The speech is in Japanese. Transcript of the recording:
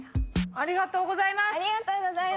ありがとうございます。